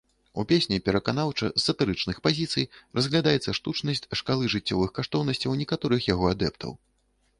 У песні пераканаўча, з сатырычных пазіцый, разглядаецца штучнасць шкалы жыццёвых каштоўнасцяў некаторых яго адэптаў.